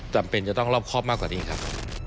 จำเป็นจะต้องรอบครอบมากกว่านี้ครับ